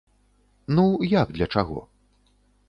Ну, як для чаго?